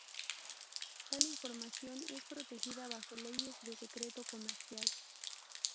Tal información es protegida bajo leyes de secreto comercial.